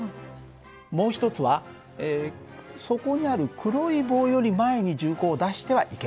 もう一つはそこにある黒い棒より前に銃口を出してはいけません。